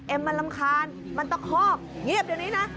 มันรำคาญมันตะคอกเงียบเดี๋ยวนี้นะ